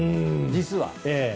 実は。